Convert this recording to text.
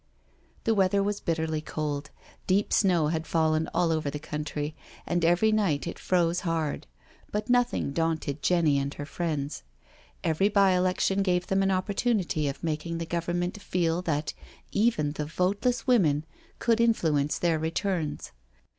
The weather was bitterly cold, deep snow had fallen all over the country, and every night it froze hard, but nothing daunted Jenny and her friends. Every by election gave them an opportunity of making the Gov ernment feel that even the voteless woman could in fluence their returns.